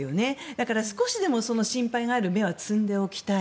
だから少しでもその心配がある芽は摘んでおきたい。